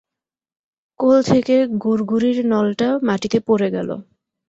কোল থেকে গুড়গুড়ির নলটা মাটিতে পড়ে গেল।